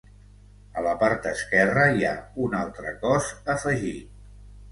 A la part esquerra hi ha un altre cos afegit.